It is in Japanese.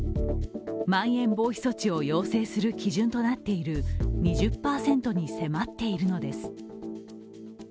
まん延防止措置を要請する基準となっている２０％に迫っているのです。